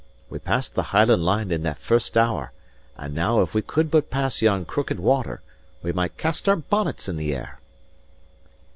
We passed the Hieland Line in the first hour; and now if we could but pass yon crooked water, we might cast our bonnets in the air."